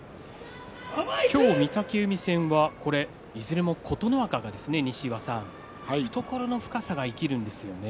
今日、御嶽海戦はいずれも琴ノ若懐の深さが生きるんですよね。